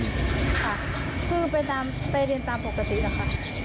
ค่ะคือไปตามไปเรียนตามปกติล่ะค่ะ